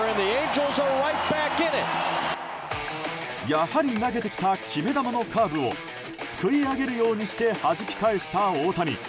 やはり投げてきた決め球のカーブをすくい上げるようにしてはじき返した大谷。